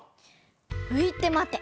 「浮いて待て」。